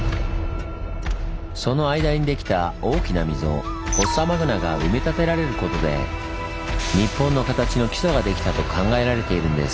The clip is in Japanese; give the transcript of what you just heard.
その間にできた大きな溝フォッサマグナが埋め立てられることで日本の形の基礎ができたと考えられているんです。